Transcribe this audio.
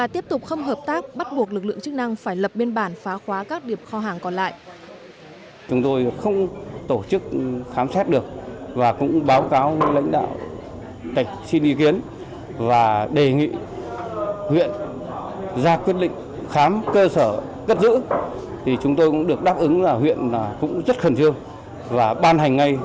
tổ công tác đã tiến hành lập biên bản phá khóa điểm kho hàng thứ nhất dưới sự chứng kiến của đại diện chính quyền địa phương các cấp và người dân